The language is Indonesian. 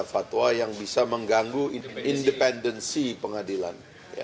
fatwa yang bisa mengganggu independensi pengadilan